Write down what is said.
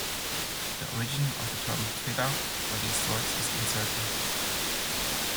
The origin of the term "Feder" for these swords is uncertain.